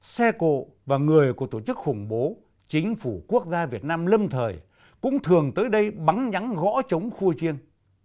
xe cộ và người của tổ chức khủng bố chính phủ quốc gia việt nam lâm thời cũng thường tới đây bắn nhắn gõ chống khua chiêng